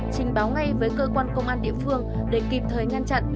trình báo ngay với cơ quan công an địa phương để kịp thời ngăn chặn